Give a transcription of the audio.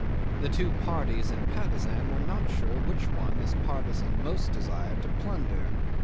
The two parties in Patusan were not sure which one this partisan most desired to plunder.